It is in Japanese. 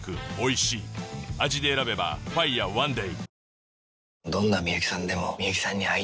味で選べば「ＦＩＲＥＯＮＥＤＡＹ」